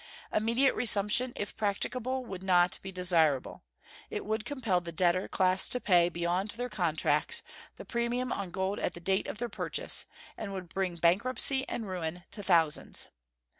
Immediate resumption, if practicable, would not be desirable. It would compel the debtor class to pay, beyond their contracts, the premium on gold at the date of their purchase, and would bring bankruptcy and ruin to thousands.